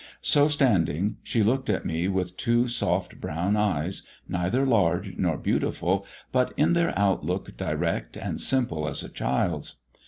So standing, she looked at me with two soft brown eyes, neither large nor beautiful, but in their outlook direct and simple as a child's.